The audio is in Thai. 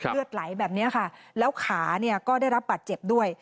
เลือดไหลแบบนี้ค่ะแล้วขาเนี่ยก็ได้รับบัตรเจ็บด้วย